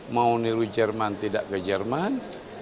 mau niru jerman tidak ke jerman